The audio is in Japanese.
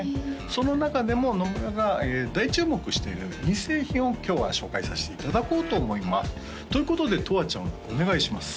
その中でも野村が大注目している２製品を今日は紹介させていただこうと思いますということでとわちゃんお願いします